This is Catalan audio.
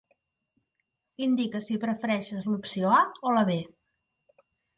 Indica si prefereixes l'opció A o la B